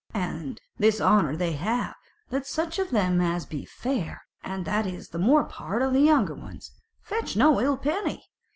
And this honour they have, that such of them as be fair, and that is the more part of the younger ones, fetch no ill penny.